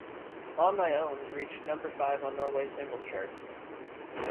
"On My Own" reached number five on the Norway Singles Chart.